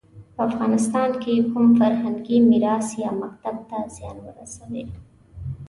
په افغانستان کې کوم فرهنګي میراث یا مکتب ته زیان ورسوي.